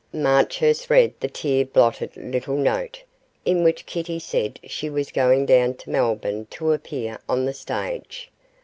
Marchurst read the tear blotted little note, in which Kitty said she was going down to Melbourne to appear on the stage.